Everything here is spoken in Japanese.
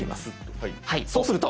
はいそうすると！